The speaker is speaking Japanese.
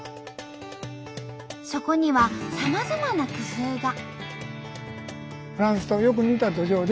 そこにはさまざまな工夫が。